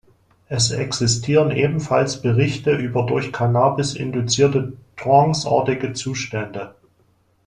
Es existieren ebenfalls Berichte über durch Cannabis induzierte Trance-artige Zustände.